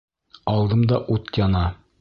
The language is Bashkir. Алдымда ут яна.